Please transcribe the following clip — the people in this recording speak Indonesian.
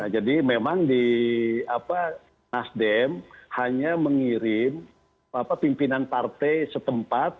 jadi memang nasdem hanya mengirim pimpinan partai setempat